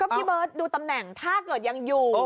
ก็พี่เบิ้ลดูตำแหน่งถ้าเกิดยังอยู่โอ้โห